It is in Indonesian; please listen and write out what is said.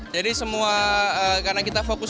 jadi semua karena kita fokus